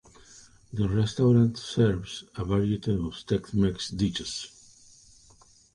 The restaurant serves a variety of Tex-Mex dishes.